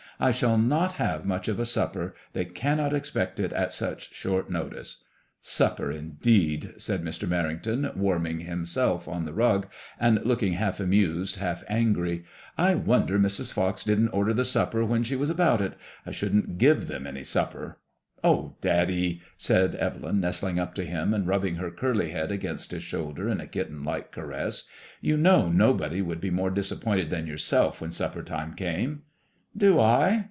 I shall not have much of a supper. They cannot expect it, at such short notice/' *' Supper indeed I *' said Mr. i SS MADEMOISBLLB IXK. Merrington, warming himself on the rugy and looking half amused, half angry, " I wonder Mrs. Fox didn*t order the supper when she was about it. I shouldn't give them any supper." "Oh, daddy!" said Evelyn, nestling up to him, and rubbing her curly head against his shoulder in a kitten like caress. " You know nobody would be more disappointed than yourself when supper time came." "Do I